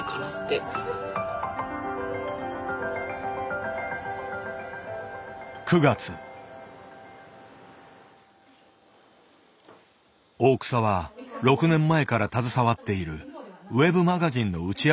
大草は６年前から携わっているｗｅｂマガジンの打ち合わせに臨んでいた。